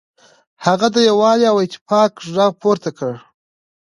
هغه د یووالي او اتفاق غږ پورته کړ.